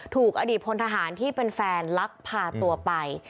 ถูกอดีตพลทหารที่เป็นแฟนลักพาตัวไป